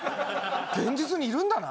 現実にいるんだな。